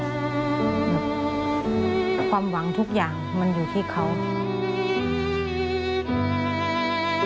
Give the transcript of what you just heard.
แต่ความหวังทุกอย่างมันอยู่ที่เขา